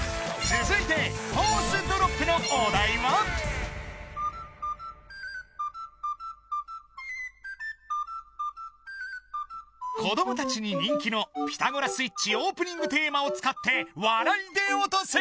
続いてフォースドロップのお題は子供達に人気の「ピタゴラスイッチオープニングテーマ」を使って笑いでオトせ！